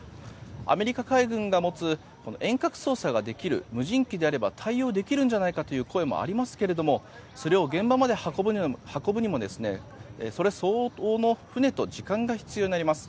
アメリカ海軍が持つ遠隔操作ができる無人機であれば対応できるんじゃないかという声もありますけれどもそれを現場まで運ぶにもそれ相応の船と時間が必要になります。